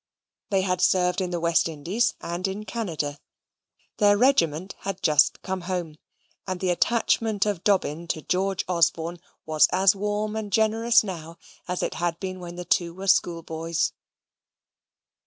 They had served in the West Indies and in Canada. Their regiment had just come home, and the attachment of Dobbin to George Osborne was as warm and generous now as it had been when the two were schoolboys.